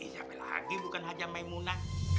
siapa lagi bukan haji mlemula